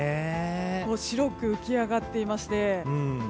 白く浮き上がっていまして。